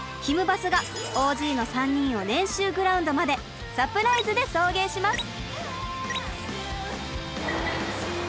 バスがＯＧの３人を練習グラウンドまでサプライズで送迎します！